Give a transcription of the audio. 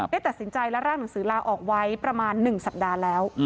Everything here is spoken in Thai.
ได้ตัดสินใจและร่างหนังสือลาออกไว้ประมาณ๑สัปดาห์แล้ว